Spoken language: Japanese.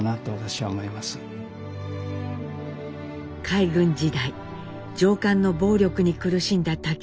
海軍時代上官の暴力に苦しんだ武。